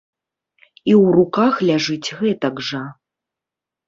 І ў руках ляжыць гэтак жа.